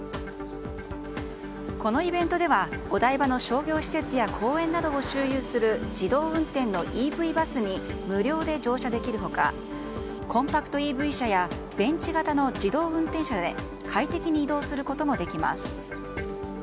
このイベントではお台場の商業施設や公園などを周遊する自動運転のＥＶバスに無料で乗車できる他コンパクトＥＶ車や電池型の自動運転車で快適に移動することもできます。